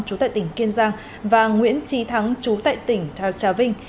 chú thệ tỉnh kiên giang và nguyễn trí thắng chú thệ tỉnh trà vinh